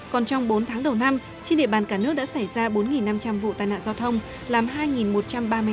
còn trong bốn tháng đầu năm trên địa bàn cả nước đã xảy ra bốn năm trăm linh vụ tai nạn giao thông